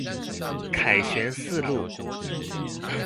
凱旋四路